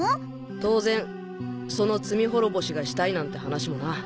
当然その罪滅ぼしがしたいなんて話もな。